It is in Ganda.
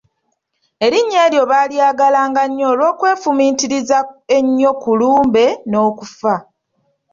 Erinnya eryo baalyagala nnyo olw'okwefumiitiriza ennyo ku lumbe n'okufa.